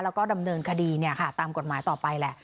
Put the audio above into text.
แล้วก็ดำเนินคดีตามกฎหมายต่อไปแหละ